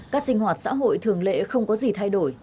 các sinh hoạt xã hội thường lệ không có gì thay đổi